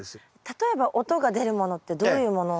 例えば音が出るものってどういうもの？